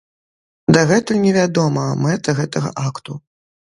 Дагэтуль не вядома мэта гэтага акту.